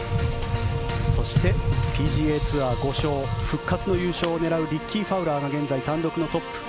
そして、ＰＧＡツアー５勝復活の優勝を狙うリッキー・ファウラーが現在単独のトップ。